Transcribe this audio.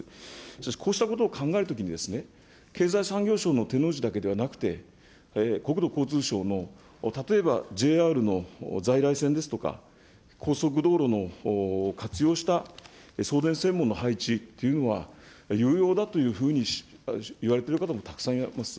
しかしこうしたことを考えるときに、経済産業省の手の内だけではなくて国土交通省の例えばＪＲの在来線ですとか、高速道路を活用した送電線網の配置っていうのは、有用だというふうに言われてる方もたくさんいます。